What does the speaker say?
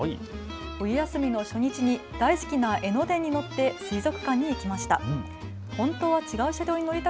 冬休みの初日に大好きな江ノ電に乗って水族館に行きました。